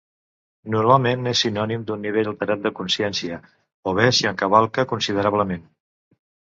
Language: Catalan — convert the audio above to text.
Normalment és sinònim d'un nivell alterat de consciència, o bé s'hi encavalca considerablement.